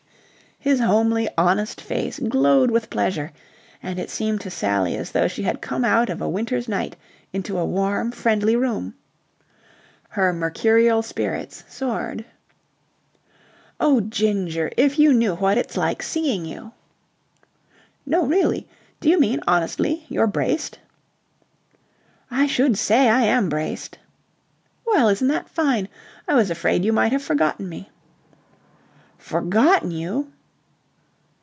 His homely, honest face glowed with pleasure, and it seemed to Sally as though she had come out of a winter's night into a warm friendly room. Her mercurial spirits soared. "Oh, Ginger! If you knew what it's like seeing you!" "No, really? Do you mean, honestly, you're braced?" "I should say I am braced." "Well, isn't that fine! I was afraid you might have forgotten me." "Forgotten you!"